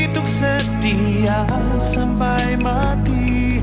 tuk setia sampai mati